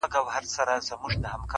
o چي يو ځل بيا څوک په واه ،واه سي راته.